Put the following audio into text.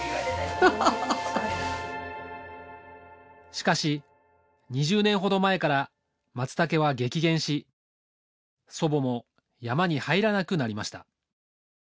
しかし２０年ほど前からマツタケは激減し祖母も山に入らなくなりました。